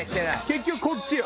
結局こっちよ。